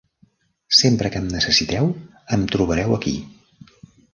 Sempre que em necessiteu, em trobareu aquí.